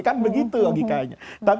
kan begitu logikanya